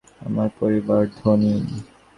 আমার পরিবার ধনী।